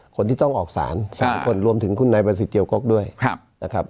คนที่ต้องออกสาร๓คนรวมถึงคุณนายประสิทธิเจียวกกด้วยนะครับ